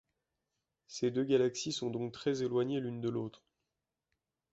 Ces deux galaxies sont donc très éloignées l'une de l'autre.